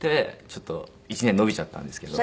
ちょっと１年延びちゃったんですけど。